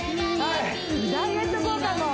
ダイエット効果も！